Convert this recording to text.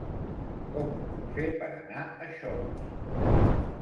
Com ho puc fer per anar a Xodos?